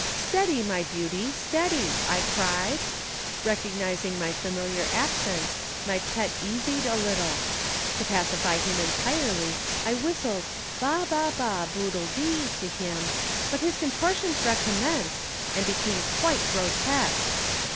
"Steady, my beauty, steady!" I cried. Recognizing my familiar accents, my pet easied a little. To pacify him entirely I whistled 'Ba, ba, ba, boodle dee,' to him, but his contortions recommenced and became quite grotesque.